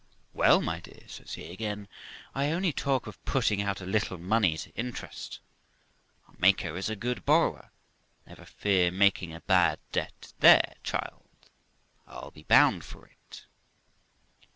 'Well, my dear', says he again, 'I only talk of putting out a little money to interest; our Maker is a good borrower; never fear making a bad debt there, child, I'll be bound for it.'